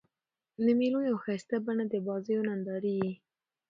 د مېلو یوه ښایسته بڼه د بازيو نندارې يي.